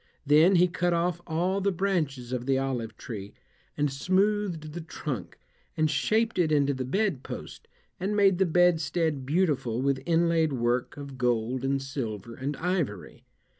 Then he cut off all the branches of the olive tree, and smoothed the trunk, and shaped it into the bed post, and made the bedstead beautiful with inlaid work of gold and silver and ivory.